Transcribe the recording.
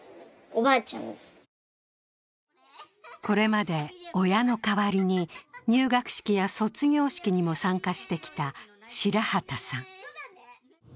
これまで親の代わりに入学式や卒業式にも参加してきた白旗さん。